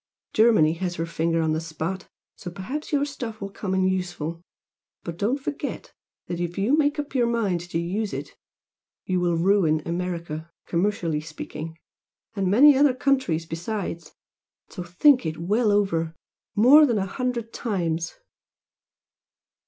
Germany has her finger on the spot so perhaps your stuff will come in useful. But don't forget that if you make up your mind to use it you will ruin America, commercially speaking. And many other countries besides. So think it well over, more than a hundred times!